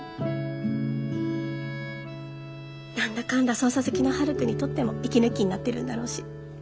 何だかんだ捜査好きのはるくんにとっても息抜きになってるんだろうし。